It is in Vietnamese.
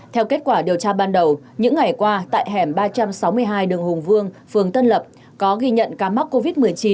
theo kết quả điều tra ban đầu những ngày qua tại hẻm ba trăm sáu mươi hai đường hùng vương phường tân lập có ghi nhận ca mắc covid một mươi chín